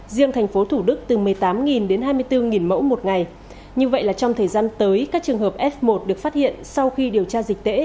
riêng tp thủ đức từ một mươi tám đến hai mươi bốn mẫu một ngày như vậy là trong thời gian tới các trường hợp f một được phát hiện sau khi điều tra dịch tễ